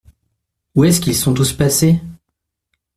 Où est-ce qu’ils sont tous passés?